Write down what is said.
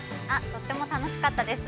◆とても楽しかったです。